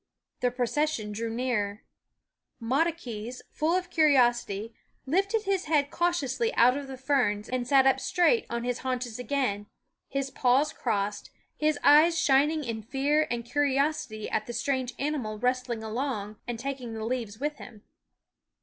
The procession drew nearer. Moktaques, full of curiosity, lifted his head cautiously out of the ferns and sat up straight on his THE WOODS 243 haunches again, his paws crossed, his eyes shining in fear and curiosity at the strange animal rustling along and taking the leaves with him.